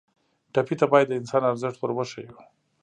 ټپي ته باید د انسان ارزښت ور وښیو.